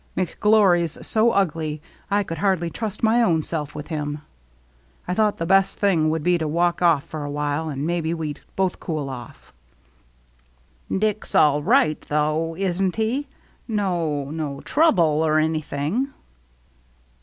McGlory's so ugly I could hardly trust my own self with him. I thought the best thing would be to walk off for a while, and maybe we'd both cool off." " Dick's all right, though, isn't he ? No — no trouble, or anything?"